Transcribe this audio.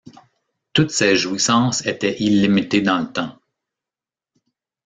Toutes ces jouissances étaient illimitées dans le temps.